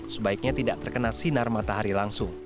sebaiknya tidak terkena sinar matahari langsung